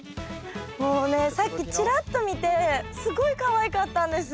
もうねさっきちらっと見てすごいかわいかったんです。